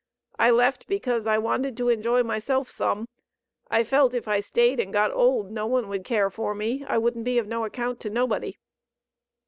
I left because I wanted to enjoy myself some. I felt if I staid and got old no one would care for me, I wouldn't be of no account to nobody."